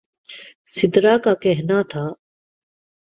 سدرا کا کہنا تھا